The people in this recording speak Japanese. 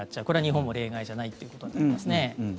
これは日本も例外じゃないってことになりますね。